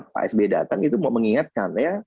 pak sbi datang itu mengingatkan